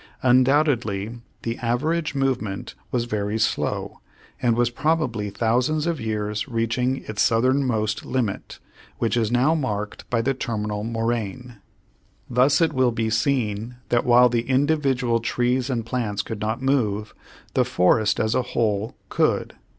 Undoubtedly the average movement was very slow and was probably thousands of years reaching its southernmost limit, which is now marked by the terminal moraine. Thus it will be seen that while the individual trees and plants could not move, the forest as a whole could.